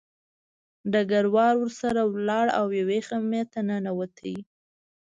ډګروال ورسره لاړ او یوې خیمې ته ننوت